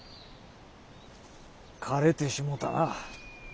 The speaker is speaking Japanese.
枯れてしもたな。